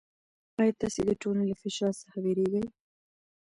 آیا تاسې د ټولنې له فشار څخه وېرېږئ؟